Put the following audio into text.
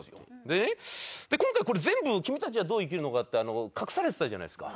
で今回これ全部『君たちはどう生きるか』って隠されてたじゃないですか。